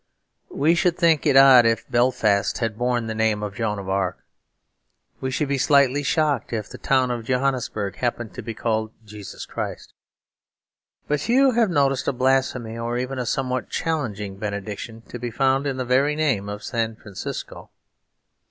We should think it odd if Belfast had borne the name of Joan of Arc. We should be slightly shocked if the town of Johannesburg happened to be called Jesus Christ. But few have noted a blasphemy, or even a somewhat challenging benediction, to be found in the very name of San Francisco.